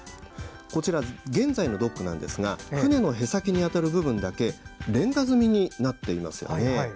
こちら、現在のドックですが船のへさきにあたる部分だけレンガ積みになっています。